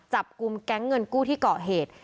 จับกลุ่มแก๊งเงินกู้ที่เกาะเหตุ